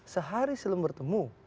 sehari sebelum bertemu